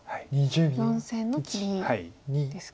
４線の切りですか。